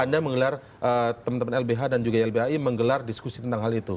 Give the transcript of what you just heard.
anda menggelar teman teman lbh dan juga ylbhi menggelar diskusi tentang hal itu